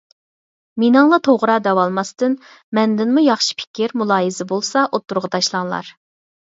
مېنىڭلا توغرا دەۋالماستىن، مەندىنمۇ ياخشى پىكىر، مۇلاھىزە بولسا ئوتتۇرىغا تاشلاڭلار.